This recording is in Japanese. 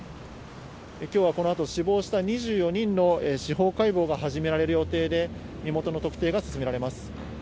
きょうはこのあと死亡した２４人の司法解剖が始められる予定で、身元の特定が進められます。